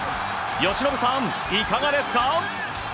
由伸さん、いかがですか？